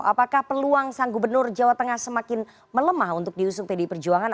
apakah peluang sang gubernur jawa tengah semakin melemah untuk diusung pdi perjuangan